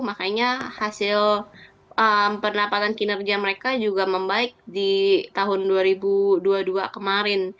makanya hasil pendapatan kinerja mereka juga membaik di tahun dua ribu dua puluh dua kemarin